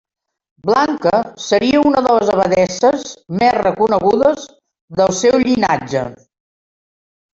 Blanca seria una de les abadesses més reconegudes del seu llinatge.